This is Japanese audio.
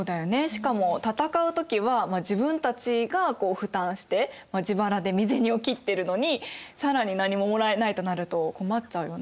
しかも戦う時は自分たちがこう負担して自腹で身銭を切ってるのに更に何ももらえないとなると困っちゃうよね。